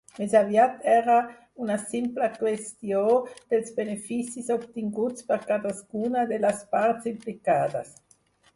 Més aviat, era una simple qüestió dels beneficis obtinguts per cadascuna de les parts implicades.